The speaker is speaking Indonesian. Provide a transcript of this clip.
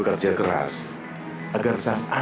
kalau kita baru saja